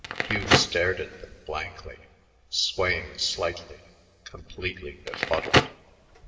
Hugh stared at them blankly, swaying slightly, completely befuddled.